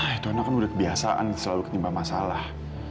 itu anak kan udah kebiasaan selalu ketimbang masalah